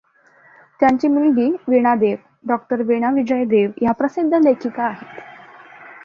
त्यांची मुलगी वीणा देव डॉ. वीणा विजय देव ह्या प्रसिद्ध लेखिका आहेत.